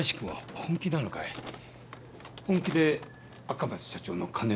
本気で赤松社長の金を狙って。